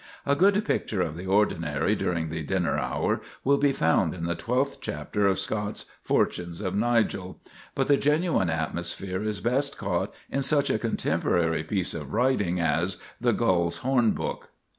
A good picture of the ordinary during the dinner hour will be found in the twelfth chapter of Scott's "Fortunes of Nigel"; but the genuine atmosphere is best caught in such a contemporary piece of writing as the "Gull's Horn Book."